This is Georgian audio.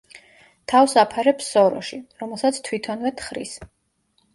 თავს აფარებს სოროში, რომელსაც თვითონვე თხრის.